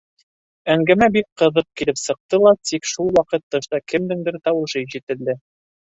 Әңгәмә бик ҡыҙыҡ килеп сыҡты ла, тик шул ваҡыт тышта кемдеңдер тауышы ишетелде.